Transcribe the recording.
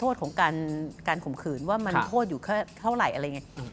โทษของการข่มขืนว่ามันโทษอยู่แค่เท่าไหร่อะไรอย่างนี้